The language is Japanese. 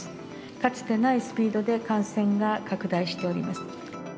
かつてないスピードで感染が拡大しております。